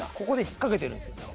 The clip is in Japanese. ここで引っ掛けてるんです。